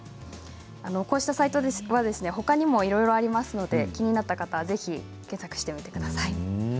こうしたサイトは、ほかにもいろいろありますので気になった方はぜひ検索してみてください。